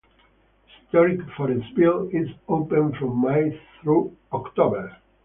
Historic Forestville is open from May through October.